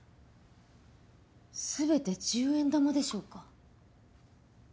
全て十円玉でしょうか？